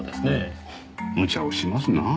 無茶をしますなぁ。